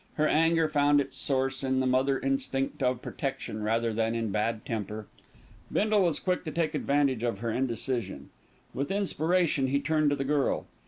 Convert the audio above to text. Her anger found its source in the mother instinct of protection rather than in bad temper. Bindle was quick to take advantage of her indecision. With inspiration he turned to the girl.